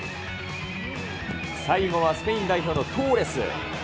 最後はスペイン代表のトーレス。